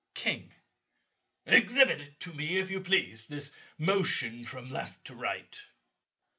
King. Exhibit to me, if you please, this motion from left to right.